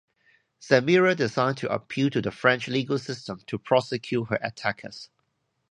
Samira decided to appeal to the French legal system to prosecute her attackers.